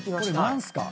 何すか？